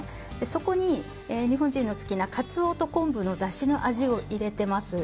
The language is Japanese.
そこに日本人の好きなカツオと昆布のだしの味を入れてます。